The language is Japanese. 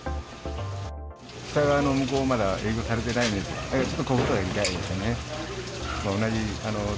北側の向こうはまだ営業されてないので、ちょっと心が痛いですね。